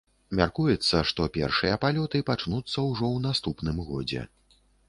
Мяркуецца, што першыя палёты пачнуцца ўжо ў наступным годзе.